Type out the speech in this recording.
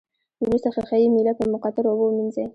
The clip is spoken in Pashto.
وروسته ښيښه یي میله په مقطرو اوبو ومینځئ.